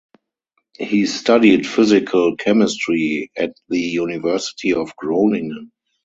He studied physical chemistry at the University of Groningen.